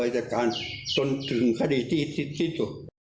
จนถึงคดีที่ที่ถูก